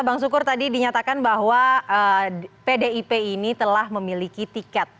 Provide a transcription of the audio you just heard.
bang sukur tadi dinyatakan bahwa pdip ini telah memiliki tiket